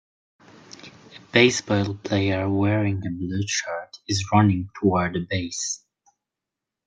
A baseball player wearing a blue shirt is running toward a base.